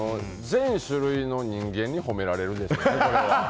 全種類の人間に褒められるでしょうね。